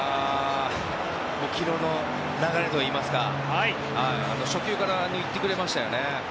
昨日の流れといいますか初球から行ってくれましたよね。